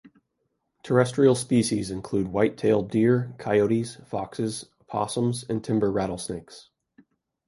Terrestrial species include white-tailed deer, coyotes, foxes, opossums, and timber rattlesnakes.